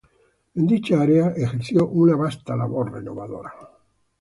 En dicha área ejerció una vasta labor renovadora.